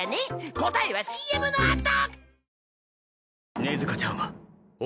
答えはＣＭのあと。